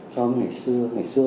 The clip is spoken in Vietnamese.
so với ngày xưa